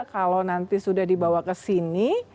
kalau nanti sudah dibawa ke sini